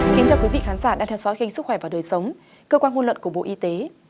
chào các quý vị khán giả đang theo dõi kênh sức khỏe và đời sống cơ quan hôn luận của bộ y tế